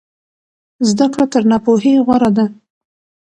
زده کړه تر ناپوهۍ غوره ده.